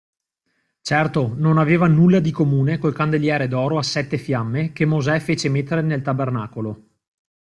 Certo, non aveva nulla di comune col candeliere d'oro a sette fiamme, che Mosè fece mettere nel Tabernacolo.